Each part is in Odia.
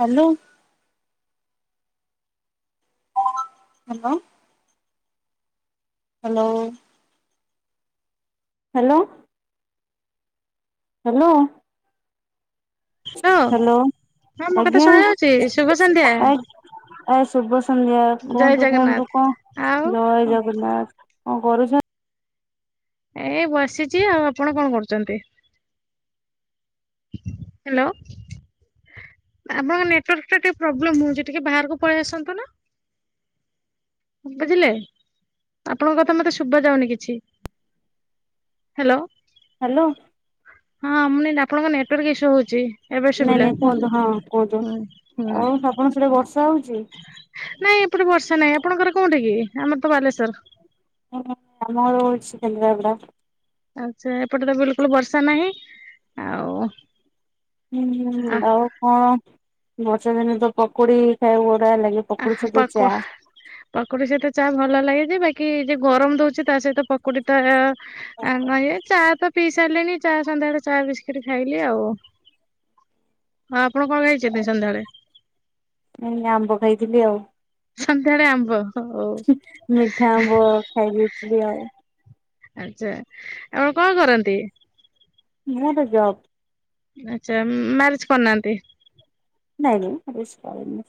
Hello. Hello. Hello. Hello. Hello. Hello ହଁ ମୋ କଥା ଆଜ୍ଞା ଶୁଣା ଯାଉଛି ଶୁଭ ସନ୍ଧ୍ୟା ଆ ଏ ଶୁଭ ସନ୍ଧ୍ୟା ଜୟ କୁହନ୍ତୁ ଜଗନ୍ନାଥ କୁହନ୍ତୁ ଆଉ କଣ ଜୟ ଜଗନ୍ନାଥ କଣ କରୁଛ ଏଇ ବସିଛି ଆଉ ଆପଣ କଣ କରୁଛନ୍ତି? ହ୍ୟାଲୋ। ଆପଣଙ୍କ ନେଟୱାର୍କରେ ଟିକେ ପ୍ରୋବ୍ଲେମ ହଉଛି ଟିକେ ବାହାରକୁ ପଳେଇ ଆସନ୍ତୁ ନୁ। ବୁଝିଲେ ଆପଣଙ୍କ କଥା ମତେ ଶୁଭ ଯାଉନି କିଛି। ହ୍ୟାଲୋ। ହ୍ୟାଲୋ। ହଁ ମୁଁ ଆପଣଙ୍କ ନେଟୱାର୍କ ଇସ୍ୟୁ ହଉଛି ଏବେ ନାଇଁ ସୁୁବିଲା ନାଇଁ କୁହନ୍ତୁ ହୁଁ ହୁଁ। କଣ ସେଟେ ବର୍ଷା ହଉଛି? ନାଇଁ ଏପଟେ ବର୍ଷା ନାଇଁ ଆପଣଙ୍କର କୋଉଠି କି ଆମର ତ ବାଲେଶ୍ଵର। [unintelligible] କେନ୍ଦ୍ରପଡା। ଆଛା ଏପଟେ ତ ବିଲକୁଲ ବର୍ଷା ନାହିଁ ଆଉ। ଆ ହୁଁ ଆଉ କଣ ବର୍ଷା ଦିନେ ତ ପକୁଡି ଖାଇକୁ ଭଡିଆ ଲାଗେ। ଆ ପକୁଡି ସହିତ ପାକ ଚା। ପକୁଡି ସହିତ ଚା ଭଲ ଲାଗେ ଯେ ବାକି ଯଏ ଗରମ ଦଉଛି ତା ସହିତ ପ ପକୋଡିତ ନାଇ ଚା ପିଇ ସାରିଲେଣି ଚା ସନ୍ଧ୍ୟାବେଳେ ଚା ବିସ୍କିଟ ଖାଇଲି ଆଉ। ହଁ ଆପଣ କଣ ହେଇଛନ୍ତି ସନ୍ଧ୍ୟାବେଳେ? ମୁଁ ଆମ୍ବ ଖାଇଥିଲି ଆଉ। ସନ୍ଧ୍ୟାଳେ ଆମ୍ବ। ହଉ ମିଠା ଆମ୍ବ ଖାଇ ଦେଇଥିଲି ଆଉ। ଆଛା ଏବେ କଣ କରନ୍ତି? Not job. ଆଚ୍ଛା ମ୍ୟାରେଜ କରନାହାନ୍ତି। ନାଇଁ ନାଇଁନ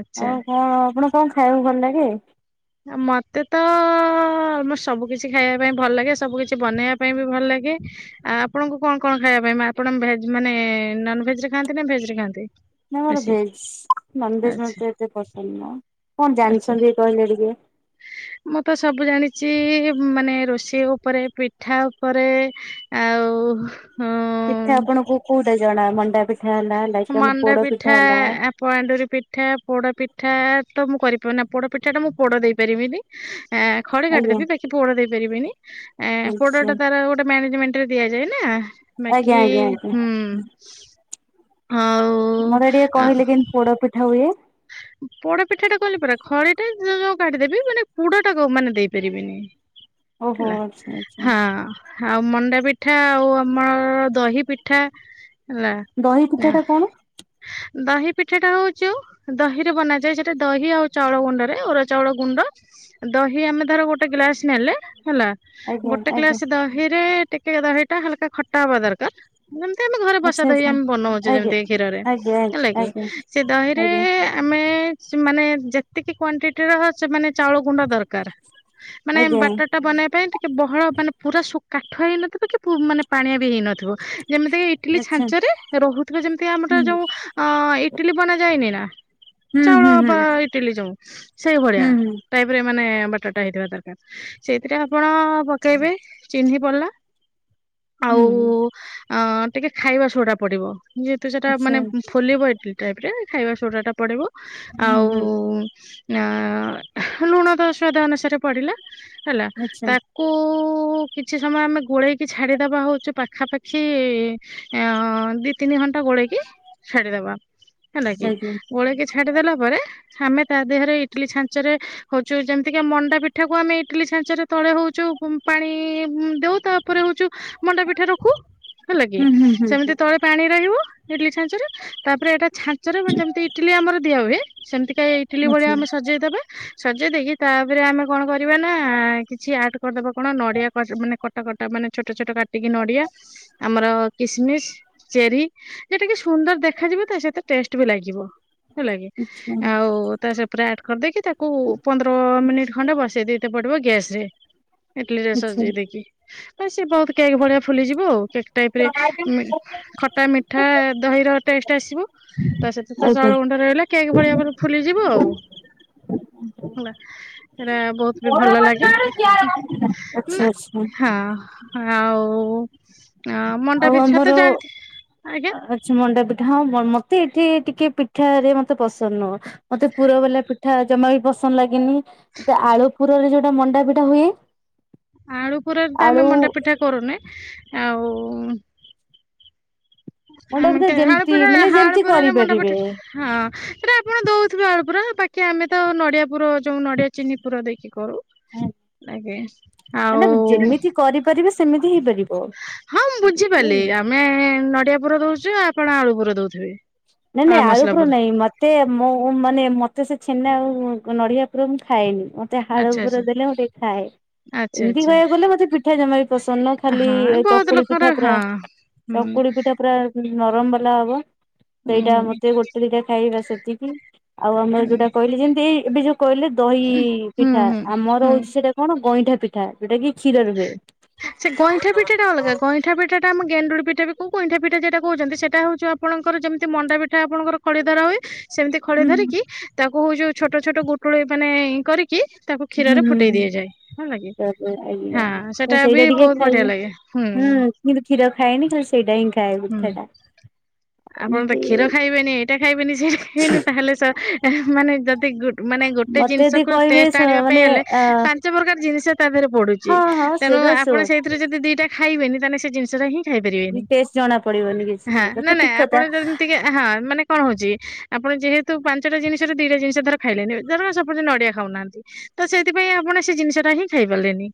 ଆଚ୍ଛା ଆଉ କଣ ଆପଣ କଣ ଖାଇବାକୁ ଭଲ ଲାଗେ? ମତେ ତମ ସବୁ କିଛି ଖାଇବା ପାଇଁ ଭଲ ଲାଗେ ସବୁ କିଛି ବନେଇବା ପାଇଁ ବି ଭଲ ଲାଗେ। ଆ ଆପଣଙ୍କୁ କଣ କଣ ଖାଇବା ପାଇଁ ଆପଣ ଭେଜ ମାନେ ନନ ଭେଜ ରେ ଖାଆନ୍ତି ନା ଭେଜ ରେ ଖାଆନ୍ତି? ନା ମୋର ବେଶୀ ଭେଜ ନନ ଭେଜ ଆଚ୍ଛା ମତେ ଏତେ ପସନ୍ଦ ନା କଣ ଆଚ୍ଛା। ଜାଣିଛନ୍ତି କହିଲେ ଟିକେ? ମୁଁ ତ ସବୁ ଜାଣିଛି ମାନେ ରୋଷେଇ ଉପରେ ପିଠା ଉପରେ ଆଉ। ହଁ। ପିଠା ଆପଣଙ୍କୁ କୋଉଟା ଜଣା ମଣ୍ଡା ପିଠା ହେଲା। ଲାଇକ ଆମ ମାଣ୍ଡା ପୋଡ ପିଠା ହେଲା ପଳାଣ୍ଡୁରି ପିଠା ପୋଡ ପିଠା ତ ମୁଁ କରିପାରି ନା ପୋଡ ପିଠା ଟା ମୁଁ ପୋଡ ଦେଇପାରିବିନି। ଖଳି ଆଜ୍ଞା। କାଟିଦବି ତାକି ପୋଡ ଦେଇ ପାରିବିନି ଆଚ୍ଛା ପୋଡଟା ତାର ଗୋଟେ ମାନେଜମେଣ୍ଟ ଦିଆଯାଏ ନା ବାକି ଆଜ୍ଞା ଆଜ୍ଞା ଆଜ୍ଞା ହୁଁ ହଉ ମୋର ଟିକେ କହିଲେ କେମିତି ପୋଡ ପିଠା ହୁଏ ପୋଡ ପିଠା ଟା କଲେ ପୁରରା ଖରେ ଟାଉ କାଠି ଦେବି ମାନେ ପୋଡ ଟା କ ମାନେ ଦେଇ ପାରିବିନି ଓହୋ ହେଲା ଆଚ୍ଛା ଆଚ୍ଛା ହଁ ଆଉ ମଣ୍ଡା ପିଠା ଆଉ ଆମର ଦହି ପିଠା ହେଲା ଦହି ନା ପିଠା ଟା କଣ? ଦହି ପିଠା ଟା ହଉଚୁ ଦହିରେ ବନାଯାଏ ସେଟା ଦହି ଆଉ ଚାଉଳ ଗୁଣ୍ଡରେ ଓର ଚାଉଳ ଗୁଣ୍ଡ ଦହି ଆମେ ଧର ଗୋ ଗୋଟେ ଗ୍ଲାସ ନେଲେ ହେଲା ଆଜ୍ଞା ଗୋଟେ ଆଜ୍ଞା ଗ୍ଲାସ ଦହିରେ ଟିକେ ଦହିଟା ହାଲକା ଖ ଟା ହବା ଦରକାର ଯେମିତି ଆମେ ଘରେ ବସା ଆଚ୍ଛା ଦହି ଜେମିତି ଆଚ୍ଛା ଆମେ ବନଉଛେ ଆଜ୍ଞା। ଯେମିତି କ୍ଷୀରରେ ଆଜ୍ଞା ହେଲା କିି ଆଜ୍ଞା ସେ ଦହ ଆଜ୍ଞା ଆମେ ସେମାନେ ଯେତିକି କ୍ଵଣ୍ଟିଟି ର ମାନେ ଚାଉଳ ଗୁଣ୍ଡା ଦରକାର ମାନେ ଆଜ୍ଞା ବାଟ ଟା ବନବା ପାଇଁ ଟିକେ ବହଳ ମାନେ ପୁରା ଶୁ କାଠ ହେଇନଥିବ କି ମାନେ ପାଣିଆ ବି ହେଇନଥିବ ଯେମିତିକା ଇଟିଲି ଆଚ୍ଛା ଛାଞ୍ଚରେ ରହୁଥିବା ଯେମିତି ଆମର ହୁଁ। ଯୋଉ ଅ ଇଟିଲି ବନା ଯାଏନି ନା ହୁଁ ଚାଉଳ ହୁଁ ହୁଁ ବା ଇଟିଲି ଯଉ ସେଇ ଭଳିଆ ହୁଁ ହୁଁ ଟାଇପ ରେ ମାନେ ବାଟାଟା ହେଇଥିବା ଦରକାର ସେଇଥିରେ ଆପଣ ପକେଇବେ ଚହ୍ନି ପଡିଲା ଆଉ ହୁଁ ଅ ଟିକେ ଖାଇବା ଶୋଟା ପଡିବ ଯେହେତୁ ସେଟା ଆଚ୍ଛା ମାନେ ଫୋଲିବ ଇଟଲିି ଟାଇପ ରେ ଖାଇବା ସୋଡ଼ାଟା ପଡ଼ିବ ହୁଁ ଆଉ ହୁଁ। ଲୁଣ ତ ଅ ସ୍ୱାଦା ଅନୁସାରେ ପଡ଼ିଲା ହେଲା ଆଚ୍ଛା ତାକୁ କୁ କିଛି ସମୟ ଆମେ ଗୋଳେଇକି ଛାଡିଦବା ହଉଛୁ ପାଖାପାଖି ଅ ଦି ତିନି ଘଣ୍ଟା ଗୋଳେଇକି ଛାଡ଼ିଦବା। ହେଲା କି ଆଜ୍ଞା ଗୋଳେଇକି ଛାଡିଦେଲା ପରେ ଆମେ ତା ଦେହରେ ଇଟିଲି ଛାଞ୍ଚରେ ହଉଛୁ ଯେମିତିକି ମଣ୍ଡା ପିଠା କୁ ଆମେ ଇଟିଲି ଛାଞ୍ଚରେ ତଳେ ହଉଛୁ ପାଣି ଦଉ ତାପରେ ହଉଛୁ ମଣ୍ଡା ପିଠା ରଖୁ ହେଲା କି ହୁଁ ହୁଁ ହୁଁ ସେମିତି ହୁଁ ତଳେ ପାଣି ରହିବ ଇଡଲି ଛାଞ୍ଚ ରେ ତାପରେ ଏଟା ଛାଞ୍ଚ ରେ ଯେମିତି ଇଟିଲି ଆମର ଦିଆ ହୁଏ ସେମିତିକା ଇଟିଲି ଭଳିଆ ଆଚ୍ଛା ଆମେ ସଜେଇଦବା ସଜେଇ ଦେଇକି ତାପରେ ଆମେ କଣ କରିବା ନା କିଛି ଆଡ କରିଦବା କଣ ନଡିଆ ମାନେ କଟା କଟ ମାନେ ଛୋଟ ଛୋଟ କାଟିକି ନଡିଆ ଆମର କିସମିସ ଚେରି ଯ ଟିକେ ସୁନ୍ଦର ଦେଖାଯିବ ତ ସେଥ ଟେଷ୍ଟ ବି ଲାଗିବ ହେଲା କି ଆଚ୍ଛା ଆଉ ତ ଶ ପୁରା ଆଡ କରିଦେଇକି ତାକୁ ପନ୍ଦର ମିନିଟ୍ ଖଣ୍ଡେ ବସେଇ ଦେଇତ ପଡିବ ଗ୍ୟାସ ରେ ଇଡଲି ରେ ଆଚ୍ଛା। ସଜେଇ ଦେଇକି ସି ବହୁତ କେକ୍ ଭଳିିଆ ଫୁଲିଯିବ ଆଉ କେକ୍ ଆଜ୍ଞା। ଟାଇପରେ ଖଟା ମିଠା ଦହିର ଟେଷ୍ଟ ଆସିବ ତ ସେତ ତ ଆଚ୍ଛା ଜଉଳ ଗୁଣ୍ଡ ରହିଲା କେକ୍ ଭଳିଆ ଭାବରେ ଫୁଲିଯିବ ଆଉ ହେଲା ସେଟା ବହୁତ ବି ଭଲ ଲାଗେ ମ ଆଚ୍ଛା ହଁ ଆଉ ଆଉ ମଣ୍ଡାପ ଆମର ସତ ଜାଣି ଆଜ୍ଞା ଆଚ୍ଛା ମଣ୍ଡା ପିଠା ହଁ ମତେ ଏଠି ଟିକେ ପିଠାରେ ମତେ ପସନ୍ଦ ନୁହଁ ମତେ ପୁର ବଲା ପିଠା ଜମା ବି ପସନ୍ଦ ଲାଗେନି ଆଳୁ ପୁରରେ ଯୋଉଟା ମଣ୍ଡାପିଟା ହୁଏ ଆଳୁ ପୁରାରେ ତ ଆମେ ଆଳୁ ମଣ୍ଡା ପିଠା କରୁନେ ଆଉ ମଣ୍ଡା ଆମ ପିଠା ଯେମିତି କେଳପୁରରେ ମାନେ ଯେମିତି ହାଳପୁରରେ ମୁଣ୍ଡ କରିପାରିବେ। ପଠ ହଁ ସେଇଟା ଆପଣ ଦଉଥିବେ ଆଳୁ ପୁର ବାକି ଆମେ ତ ନଡ଼ିଆ ପୁର ଯୋଉ ନଡ଼ିଆ ଚିନି ପୁର ଦେଇକି କରୁ। ଲାଗେ ମାନେ ଆଉ ଯେମିତି କରିପାରିବେ ସେମିତି ହେଇପାରିବ। ହଁ ମୁଁ ବୁଝିପାରିଲି ଆମେ ନଡିଆ ପୁର ଦଉଛୁ ଆପଣ ଆଳୁ ପୁର ଦଉଥିବେ। ନାଇଁ ଆଳୁ ନାଇଁ ମସଲା ଆଳୁପୁର ପୁର ନାଇଁ ମତ୍ ତେ ମୁଁ ମାନେ ମତେ ସେ ଛେନା ଆଉ ନଡିଆ ପୁର ମୁଁ ଖାଏନି। ମତେ ଆଳୁ ଆଚ୍ଛା ପୁର ଆଚ୍ଛା ଦେଲେ ମୁଁ ଟିକେ ଖାଏ। ଆଚ୍ଛା ଏମିତି ଆଚ୍ଛା କହିବାକୁ ଗଲେ ମତେ ପିଠା ଜମା ବି ପସନ୍ଦ ନୁହଁ ଖାଲି ହଁ ବହୁତ ଚକୁଳି ଲୋକର ପିଠା ପୁରା। ହଁ। ହୁଁ ଚକୁଳି ପିଠା ପୁରା ନରମ ବାଲା ହବ। ସେଇଟା ମତେ ଗୋଟେ ଦିଟା ଖାଇବି ବାସ୍ ସେତିକି ଆଉ ଆମର ହୁଁ ଯୋଉଟା କହିଲି ଯେମିତି ଏଇ ଏବେ ଯୋଉ। କହିଲେ ଦହି ହୁଁ ହୁଁ ପିଠା ହୁଁ ଆମର ହୁଁ। ହଉଛି ସେଇଟା କଣ ଗଇଁଠା ପିଠା ଯୋଉଟା କି କ୍ଷୀର ରେ ହୁଏ। ସେ ଗଇଁଠା ପିଠା ଟା ଅଲଗା ଗଇଁ ଗଇଁଠା ପିଠାଟା ଆମେ ଗେଣ୍ଡୁଳି ପିଠା ବି କହୁ ଗଇଁଠା ପିଠା ଯେଟା କହୁଛନ୍ତି ସେଟା ହେଉଛି ଆପଣଙ୍କର ଯେମିତି ମଣ୍ଡା ପିଠା ଆପଣଙ୍କର। ଖଳି ଧରା ହୁଏ ସେମିତି ଖଳି ହୁଁ ଧରିକି ତାକୁ ହଉଛି ଯୋଉ ଛୋଟ ଛୋଟ ଗୁଟୁଳି ମାନେ କରିକି। ତାକୁ ହୁଁ କ୍ଷୀରରେ ଫୁଟେଇ ହୁଁ ଦିଆଯାଏ ହେଲା କିି ତାପରେ ଆଜ୍ଞା ହାଁ ସେ। ତ ସେଟା ବି ସେଇଟା ଟିକେ ବହୁତ ବଢିଆ ଖାଇବେ। ଲାଗେ ହୁଁ। କିନ୍ତୁ କ୍ଷୀର ଖାଏନି ଖାଲି ସେଇଟା ହିଁ ଖାଏ ହୁଁ ପିଠା ଟା। ଆପଣ ତ ଏମତି କ୍ଷୀର ଖାଇବେନି ଏଇଟା ଖାଇବେନି ସେଇଟା ଖାଇବେନି ତାହେଲେ ସ ମାନେ ଯଦି ଗୁ ମାନେ ଗୋଟେ ମତେ ଯଦି ଜିନିଷକୁୁ କହିବେ ଟେଷ୍ଟ ଆଣିବା ପାଇଁ ମାନେ ହେଲେ ଅ ପାଞ୍ଚ ପ୍ରକାର ଜିନିଷ ତା ଦେହରେ ପଡୁ ଚି ହଁ ହଁ ତେଣୁ ସେଟା ସୋର୍ ଆପଣ ସେଇଥିରେ ଯଦି ଦିଟା ଖାଇବେନି ତାହେଲେ ସେ ଜିନିଷଟା ହିଁ। ଖାଇପାରିବେନି ଟେଷ୍ଟ ଜଣା ପଡିବନି କିଛି ସେଟା ତ ଠିକ୍ କଥା। ଯେ ହାଁ ମାନେ କଣ ହଉଛି ଆପଣ ଯେହେତୁ ପାଞ୍ଚଟା ଜିନିଷରେ ଦିଟା ଜିନିଷ ଧର ଖାଇଲେନି ଧର ସପୋଜ୍ ନଡିଆ। ଖାଉନାହାନ୍ତି ତ ସେଥିପାଇଁ ଆପଣ ସେ ଜିନିଷ ଟା ହିଁ ଖାଇ ପାରିଲେନି।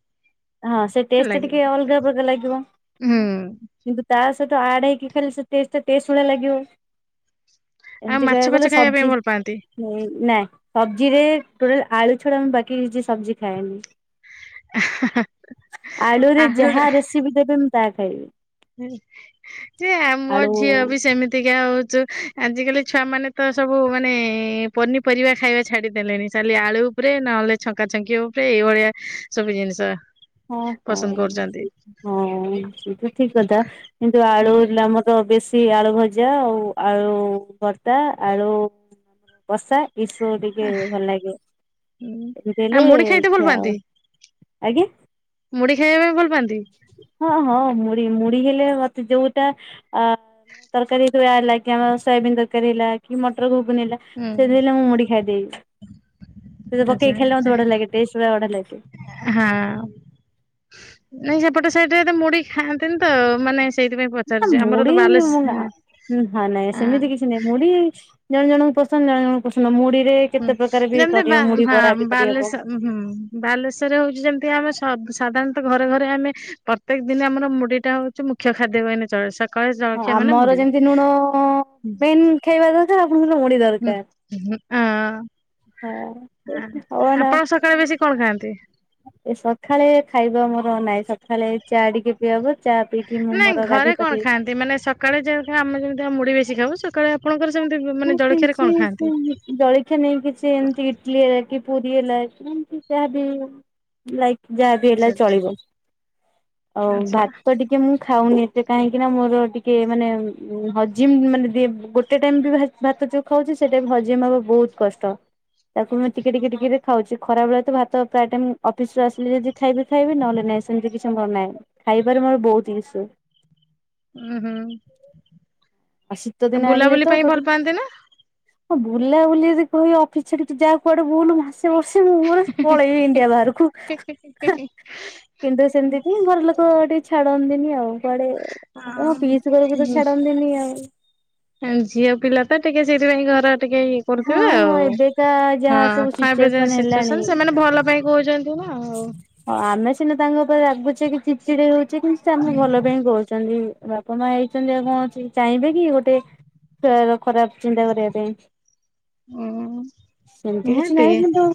ହଁ ସେ ଟେଷ୍ଟ ହେଲା ଟା କି। ଟିକେ ଅଲଗା ପ୍ରକାର ଲାଗିବ। ହୁଁ କିନ୍ତୁ ତା ସହିତ ଆଡ ହେଇକି ଖାଇଲେ ସେ ଟେଷ୍ଟ୍ ଟା ଟେଷ୍ଟ ଭଳିଆ ଲାଗିବ। ଆଉ ଏମିତି ମାଛ କହିବାକୁ ଫାଛ ଗଲେ ଖାଇବା ପାଇଁ ସବଜି। ଭଲ ପାଆନ୍ତି ହୁଁ ନାଇ ସବଜି ରେ ଟୋଟାଲ ଆଳୁ ଛଡା ମୁଁ ବାକି କିଛି ସବଜି ଖାଏନି। [unintelligible] ଆଳୁରେ ଯାହା ଆହୁରି ରେସିପି ଦେବେ ମୁଁ ତାହା ଖାଇବି। ହେ ସେ ମୋ ଝିଅ ଆଳୁ ବି ସେମିତିକା ହଉଛୁ। ଆଜିକାଲି ଛୁଆ ମାନେ ତ ସବୁ ମାନେ ପନିପରିବା ଖାଇବା ଛାଡିଦେଲେଣି ଖାଲି ଆଳୁ। ଉପରେ ନହେଲେ ଛଙ୍କା ଛଙ୍କି ଉପରେ ଏଇଭଳିଆ ସବୁ ଜିନିଷ। ହଁ ହଁ ପସନ୍ଦ କରୁଛନ୍ତି। ହଁ ସେତ ଠିକ କଥା କିନ୍ତୁ ଆଳୁ ହୁଁ ହେଲେ ଆମର। ତ ବେଶୀ ଆଳୁ ଭଜା ଆଉ ଆଳୁ ଭର୍ତା ଆଳୁ। କସା ଏସବୁ ଟିକେ ଭଲ ଲାଗେ। ହୁଁ ଏମିତି ଆଉ ହେଲେ ମୁଢି ଖାଇତେ ଭଲ ଖିଆ ହବ ପାଆନ୍ତି ଆଜ୍ଞା। ମୁଢି ଖାଇବା ପାଇଁ ଭଲ ପାଆନ୍ତି। ହଁ ହଁ ମୁଢ଼ି ମୁଢି ହେଲେ ମତେ ଯୋଉଟା ଆ। ତରକାରୀ ହେଗୁରା ହେଲା କି ଆମର ସୋୟାବିନ୍ ତରକାରୀ ହେଲା କି ମଟର ଘୁଗୁନି ହେଲା। ହୁଁ ସେମିତି ହେଲେ ମୁଁ ମୁଢ଼ି ଖାଇଦେବି ସେ ଯୋଉ ପକେଇକି ଖାଇଲେ ମତେ ବଢିଆ ଲାଗେ ଟେଷ୍ଟ ପୁରା ବଢିଆ ଲାଗେ। ହାଁ ନାଇଁ ସେପଟ ସାଇଟ୍ ରେ ଏତେ ମୁଢ଼ି ଖାଆନ୍ତିନି ତ ମାନେ। ସେଇଥିପାଇଁ ନା ପଚାରୁଛି ଆମର ତ ମୁଢି ବାଲେଶ ମୁଁ ଖାଏ ହଁ ନାଇଁ ସେମିତି କିଛି କିଛି ନାହିଁ ମୁଢି ଜଣ ଜଣଙ୍କୁ ପସନ୍ଦ ଜଣ ଜଣଙ୍କୁ ପସନ୍ଦ ନୁହଁ ମୁଢି ରେ। ହୁଁ କେତେ ପ୍ରକାର ବି କରିହବ ମୁଢ଼ି ବରା ବି କରିହବ। ଉଁ ହୁଁ ବାଲେଶ୍ୱରରେ ହଉଛି ଯେମିତି ଆମେ ସ ସାଧାରଣତଃ ଘରେ ଘରେ ଆମେ। ପ୍ରତ୍ୟେକ ଦିନ ଆମ ମୁଡିଟା ହଉଛି ମୁଖ୍ୟ ଖାଦ୍ୟ କହିଲେ ଚଳେ। ସକାଳେ ହଁ ଜଳଖିଆ ମାନେ ଆମର ମୁଢି। ଯେମିତି ଲୁଣ ମେନ୍ ଖାଇବା ଦରକାର ଆପଣଙ୍କର ମୁଡ଼ି ହୁଁ ଦରକାର। ହୁଁ ହଁ। ଅଁ ହଉ ନା ଆପଣ ସକାଳେ ବେଶୀ କଣ ଖାଆନ୍ତି। ଏ ସଖାଳେ ଖାଇବା ମୋର ନାହିଁ ସଖାଳେ। ଚା ଟିକେ ପିଆ ହେବ ଚା ପିଇକି ମୁଁ ମୋର ଗାଧେଇ ପାଧେଇ ଖାନ୍ତି ମାନେ ସକାଳେ ଯେମିତି ଆମେ ଯେମିତି ମୁଡି ବେଶୀ ଖାଉ ସକାଳେ ଆପଣଙ୍କର ସେମିତି ମୁଁ ମାନେ ଜଳଖିଆରେ କିଛି କଣ ଖାଆନ୍ତି? ଜଳଖିଆ ନେଇ କିଛି ଏମତି ଇଟଲି ହେଲା କି ପୁରୀ ହେଲାମତି ଯହା ବି ଲାଇକ୍ ଯାହାବି ହେଲା ଆଚ୍ଛା ଆଚ୍ଛା ଚଳିବ ଆଉ ଆଚ୍ଛା ଭାତ ଟିକେ ଟିକେ ମୁଁ ଖାଉନି ଏତେ କାହିଁକି ନା ମୋର ଟିକେ ମାନେ ହଜିମ ମାନେ ଦି ଗୋଟେ ଟାଇମ ବି ଭା ଭାତ ଯୋଉ ଖାଉଛି ସେଟା ଭଜି ମବା ବହୁତ କଷ୍ଟ। ତାକୁ ମୁଁ ଟିକେ ଟିକେ ଟିକେରେ ଖାଉଛି ଖରା ବେଳେ ତ ଭାତ ପ୍ରାୟ ଟାଇମ ଅଫିସ ରୁ ଆସିଲି ଯଦି ଖାଇବି ଖାଇବି ନହେଲେ ନାହିଁ ସେମିତି କିଛି ମୋର ନାହିଁ ଖାଇବାରେ ମୋର ବହୁତ ଇଶୁ। ଉୁଁ ହୁଁ ଶୀତ ଆଉ ଦିନ ବୁଲାବୁଲି ପାଇଁ ଭଲ ପାଆନ୍ତି ନା। ହଁ ବୁଲା ବୁଲି ଯି କହିବ ଅଫିସ ଛାଡେ ଯା କୁଆଡେ ବୁଲୁ ତେ ବର୍ଷେ ମୁଁ ମୋର ପଳେଇବି ଇଣ୍ଡିଆ ବାହାରକୁ। କିନ୍ତୁ ସେମିତି କି ଘର ଲୋକ ଟିକେ ଛାଡ଼ନ୍ତିନି ଆଉ। କଆଡେମୋ ପିସ୍ ଘରକୁ ତ ଛାଡନ୍ତିନି ଆଉ। ଝିଅ ପିଲା ତ ଟିକେ ସେଇଥିପାଇଁ ଘର ଟିକେ ଇଏ କରୁଥିବେ ହଁ ହଁ ଆଉ ଏବେକା ହଁ ଯାହା ସବୁ ସିଚୁଏସନ ଏବେଯୋଉ ହେଲାଣି ସିଚୁଆସଂନ ସେମାନେ ଭଲ ପାଇଁ କହୁଛନ୍ତି। [unintelligible] ଆଉ। ହଁ ଆମେ ସିନା ତାଙ୍କ ଉପରେ ରାଗୁଛେ କି ଚିଚିଡେ ହଉଛେ କିନ୍ତ ସେ ଆମେ ଭଲ ପାଇଁ କହୁଛନ୍ତି ବା ପ ମା ହେଇଛନ୍ତି ଆଉ କଣ ଅଛି ଚାହିଁବେ କି ଗୋଟେ ଖରାପ ଚିନ୍ତା କରିବା ପାଇଁ। ହୁଁ ସେମିତି କିଛି ନିହାତି ନାହିଁ କିନ୍ତୁ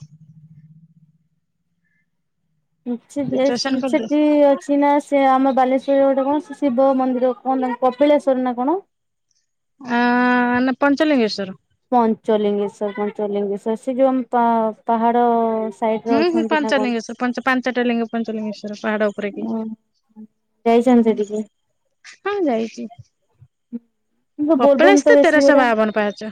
କିଛି ଯେ ସିଚୁଏସନ କରିଦେ ସେଠି ଅଛି ନା ସେ ଆମ ବାଲେଶ୍ଵରରେ ଗୋଟେ କଣ ଶିବ ମନ୍ଦିର କଣ ନା କପିଳେଶ୍ଵର ନା କଣ। ଆ ପଞ୍ଚଲିଙ୍ଗେଶ୍ଵର। ପଞ୍ଚଲିଙ୍ଗେଶର ପଞ୍ଚଲିଙ୍ଗେଶର ସେ ଯୋଉ ଆମ ପା ପାହାଡ ସାଇଡ ରେ ହୁଁ ହୁଁ ଅଛନ୍ତି ନା କଣ। ପଞ୍ଚଲିଙ୍ଗେଶ୍ୱର ପଞ୍ଚ ପାଞ୍ଚଟା ଲିଙ୍ଗ ପଞ୍ଚଲିଙ୍ଗେଶ୍ଵର ପାହାଡ ଉପରେ କି ହଁ। ଯାଇଛନ୍ତି ସେଠିକି ହଁ ଯାଇଛି କିନ୍ତୁ ବୋଲବମ୍ କପଳାଶ ତ ବେଶୀ ତେରଶହ ଗୋଟା ବାବନ ପାହାଚ।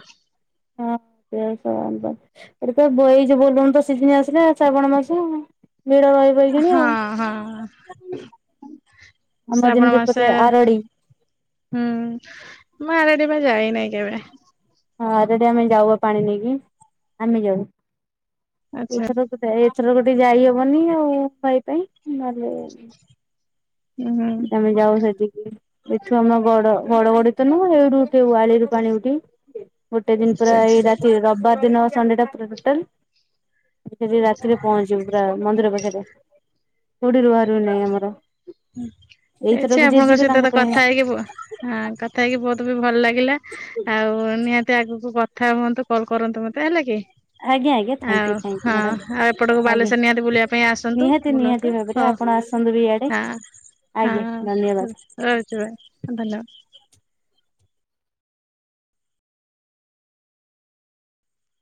ହଁ ସେ ସ [unintelligible] ଏଠି ତ ବୋ ଏଇ ଯୋଉ ବୋଲ ବମ ତ ସିିଜିନି ଆସିଲା ଶ୍ରାବଣ ମାସ ଭିଡ ରହି ବ। ହଁ ହଁ। ଆମର ଶ୍ରାବଣ ଯେମିତି ମାସ ଏପଟେ ଆରଡି ହୁଁ ମୁ ଆରେଡି ପାଇଁ ଯାଇନହିଁ। ହଁ ଆରେଡି ଆମେ ଯାଉ ପାଣି ନେଇକି ଆମେ ଯାଉ। ଆଚ୍ଛା ଏଥର ଏଥର ଗୋଟେ ଯାଇହବନି ଆଉ ଭାଇ ପାଇଁ ଭ ହୁଁ। ଆମେ ଯାଉ ସେଠିକି ଏଠୁ ଆମ ଗଡ ଘଡ ଗଡି ତ ନୁଅ ହେଇଠୁ ସେ ଆ ପାଣି ଉଠି ଗୋଟେ ଦିନ ଆଚ୍ଛା ପୁରା ଏଇ ଆଚ୍ଛା ରାତିରେ ରବିବାର ଦିନ ସଣ୍ଡେ ଟା ପୁରା ଟୋଟାଲ ସେଠି ଆଚ୍ଛା ରାତିରେ ପହଞ୍ଚ ଞ୍ଚି ମ ପୁରା ମନ୍ଦିର ପାଖରେ ହୁଡିରୁ ବାହାରିଵ ନାହିଁ ଆମର। ଏଛି ଏଇଥରକୁ ଯିଏ ଆପଣଙ୍କ ଯିବେ ସହିତ ତାଙ୍କ ତ ପାଇଁ କଥା ହେଇକି ପୁଅ। ହଁ କଥା ହେଇକି ବହୁତ ବି ଭଲ ଲାଗିଲା ଆଉ ନିହାତି ତି ମୋତେ ଆଗକୁ କଥା ହୁଅନ୍ତୁ କଲ୍ କରନ୍ତୁ ମତେ ହେଲା କି। ଆଜ୍ଞା ଆଜ୍ଞା ଥ୍ୟାଙ୍କୟୁ ଆଉ ଥ୍ୟାଙ୍କୟୁ ହଁ ମ୍ୟାଡ଼ାମ ଆଉ ଏପଟକୁ ଆଜ୍ଞା ବାଲେଶ୍ୱର ନିହାତି ବୁଲିବା ପାଇଁ ଆସନ୍ତୁ ନିହାତି ନିହାତି ବୁଲନ୍ତୁ ଭାବରେ ହଁ। [unintelligible] ହଁ ଆଜ୍ଞା ହଁ ଧନ୍ୟବାଦ। ରହୁଛି ବା ଏ ଧନ୍ୟବାଦ।